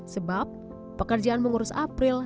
sebab pekerjaan mengurus april